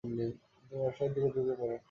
তিনি ব্যবসায়ের দিকে ঝুঁকে পড়েন।